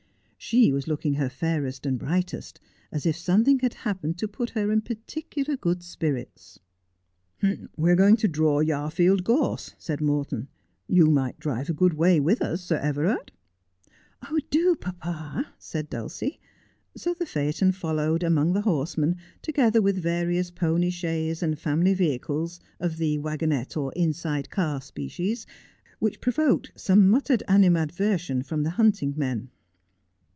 She was looking her fairest and brightest, as if something had happened to put her in particular good spirits. ' We are going to draw Yarfield Gorse,' said Morton. ' You might drive a good way with us, Sir Everard.' ' Do, papa,' said Dulcie ; so the phaeton followed among the horsemen, together with various pony chaises and family vehicles of the waggonette or inside car species, which provoked some muttered animadversion from the hunting men.